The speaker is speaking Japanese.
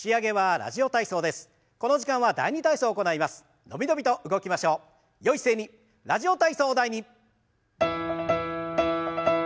「ラジオ体操第２」。